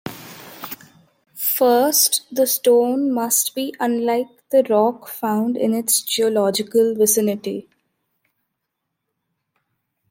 First, the stone must be unlike the rock found in its geological vicinity.